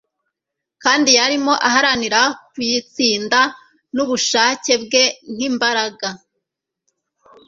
kandi yarimo aharanira kuyitsinda nubushake bwe - nkimbaraga